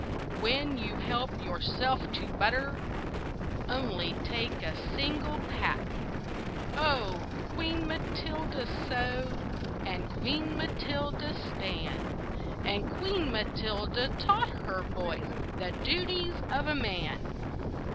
When you help yourself to butter, Only take a single pat!" Oh! Queen Matilda sewed, And Queen Matilda span, And Queen Matilda taught her boys The duties of a man.